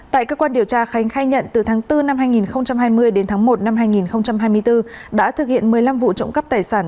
tại cơ quan điều tra khánh khai nhận từ tháng bốn năm hai nghìn hai mươi đến tháng một năm hai nghìn hai mươi bốn đã thực hiện một mươi năm vụ trộm cắp tài sản